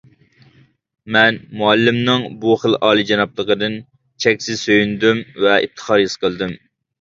مەن مۇئەللىمنىڭ بۇ خىل ئالىيجانابلىقىدىن چەكسىز سۆيۈندۈم ۋە ئىپتىخار ھېس قىلدىم.